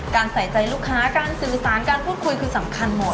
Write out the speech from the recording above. ใส่ใจลูกค้าการสื่อสารการพูดคุยคือสำคัญหมด